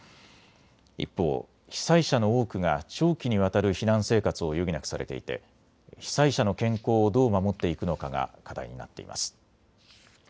一方、被災者の多くが長期にわたる避難生活を余儀なくされていて被災者の健康をどう守っていくのかが課題になっています。